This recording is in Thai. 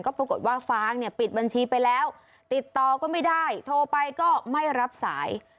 ปรากฏว่าฟางเนี่ยปิดบัญชีไปแล้วติดต่อก็ไม่ได้โทรไปก็ไม่รับสาย